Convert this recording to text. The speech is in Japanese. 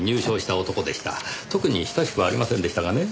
特に親しくはありませんでしたがね。